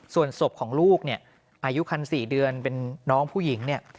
ส่วนศพของลูกเนี่ยอายุคัน๔เดือนเป็นน้องผู้หญิงเนี่ย